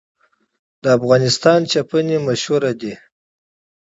د افغانستان چپنې مشهورې دي